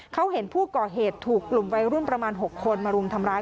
เขาเห็นผู้ก่อเหตุถูกกลุ่มวัยรุ่นประมาณ๖คนมารุมทำร้าย